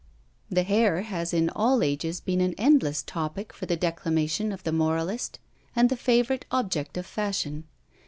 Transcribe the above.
The hair has in all ages been an endless topic for the declamation of the moralist, and the favourite object of fashion.